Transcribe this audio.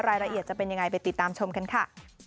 รายละเอียดจะเป็นยังไงไปติดตามชมกันค่ะ